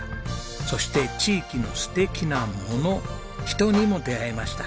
そして地域の素敵なもの人にも出会えました。